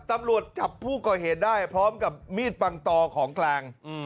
ตำรวจจับผู้ก่อเหตุได้พร้อมกับมีดปังตอของกลาง